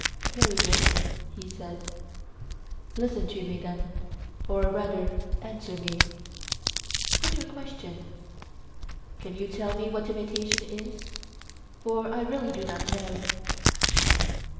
Very good, he said. Listen to me then, or rather, answer me. Put your question. Can you tell me what imitation is? for I really do not know.